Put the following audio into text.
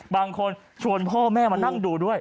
บางคนชวนพ่อแม่มานั่งดูด้วย